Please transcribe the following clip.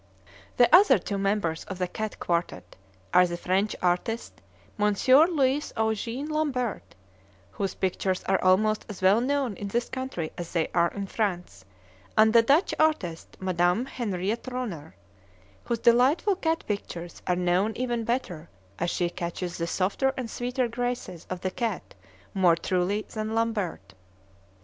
The other two members of the cat quartet are the French artist, Monsieur Louis Eugene Lambert, whose pictures are almost as well known in this country as they are in France; and the Dutch artist, Madame Henriette Ronner, whose delightful cat pictures are known even better, as she catches the softer and sweeter graces of the cat more truly than Lambert.